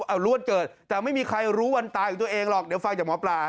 เอารวดเกิดแต่ไม่มีใครรู้วันตายของตัวเองหรอกเดี๋ยวฟังจากหมอปลา